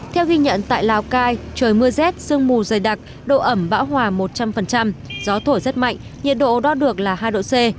theo ghi nhận tại lào cai trời mưa rét sương mù dày đặc độ ẩm bão hòa một trăm linh gió thổi rất mạnh nhiệt độ đo được là hai độ c